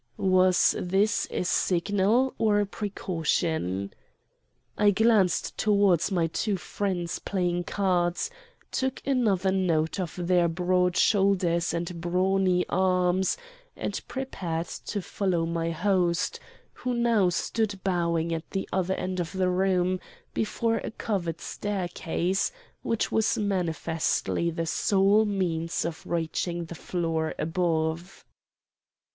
Was this a signal or a precaution? I glanced towards my two friends playing cards, took another note of their broad shoulders and brawny arms, and prepared to follow my host, who now stood bowing at the other end of the room, before a covered staircase which was manifestly the sole means of reaching the floor above.